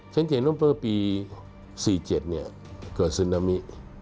ฉันเห็นว่าปี๑๙๔๗เกิดซึนามิ